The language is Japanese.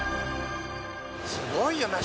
すごいよな。